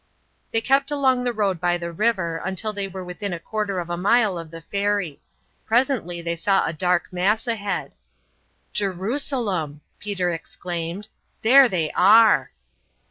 They kept along the road by the river until they were within a quarter of a mile of the ferry. Presently they saw a dark mass ahead. "Jerusalem!" Peter exclaimed. "There they are."